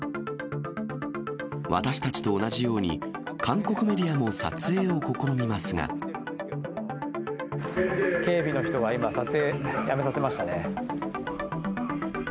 私たちと同じように、警備の人が今、撮影やめさせましたね。